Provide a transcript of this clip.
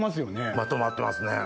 まとまってますね。